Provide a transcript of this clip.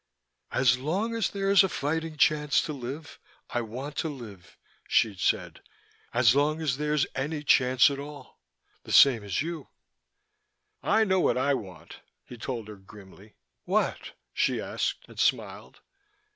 "As long as there's a fighting chance to live, I want to live," she'd said. "As long as there's any chance at all the same as you." "I know what I want," he told her grimly. "What?" she asked, and smiled.